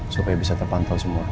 supaya bisa terpantau semua